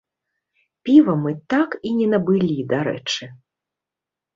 Піва мы так і не набылі, дарэчы.